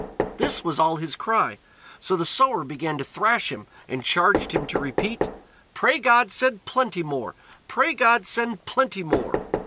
This was all his cry. So the sower began to thrash him, and charged him to repeat: "Pray God send plenty more! Pray God send plenty more!"